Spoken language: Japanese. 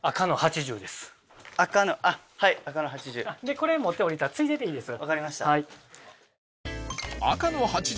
これ持って下りたらついででいいです。